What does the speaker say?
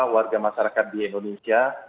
warga masyarakat di indonesia